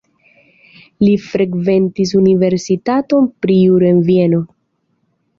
Li frekventis universitaton pri juro en Vieno.